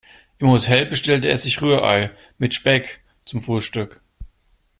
Im Hotel bestellte er sich Rührei mit Speck zum Frühstück.